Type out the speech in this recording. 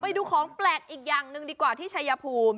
ไปดูของแปลกอีกอย่างหนึ่งดีกว่าที่ชายภูมิ